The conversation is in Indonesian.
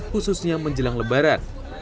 khususnya menjelang lebaran